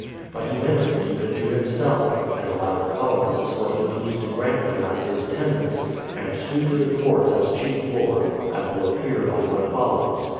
But he meant to keep it to himself, and allow the colonists what he pleased to grant them as his tenants, and sue to the courts as chief lord, as will appear by what follows.